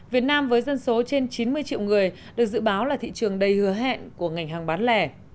việt nam với dân số trên chín mươi triệu người được dự báo là thị trường đầy hứa hẹn của ngành hàng bán lẻ